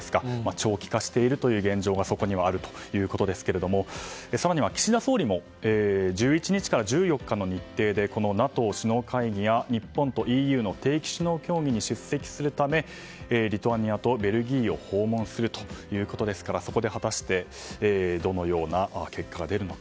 長期化しているという現状がそこにあるということで更には岸田総理も１１日から１４日の日程でＮＡＴＯ首脳会議や日本とＥＵの定期首脳協議に出席するためリトアニアとベルギーを訪問するということでそこで果たしてどのような結果が出るのか。